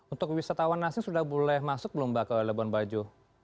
untuk wisatawan asing sudah boleh masuk belum mbak ke labuan bajo